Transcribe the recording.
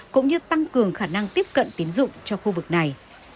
cũng như tăng cường khả năng tiếp cận tiến dụng cho khu vực này